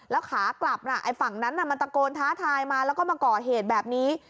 แล้วขากลับฝั่งนั้นมันตะโกนท้าทายมาแล้วก็มาก่อเหตุแบบนี้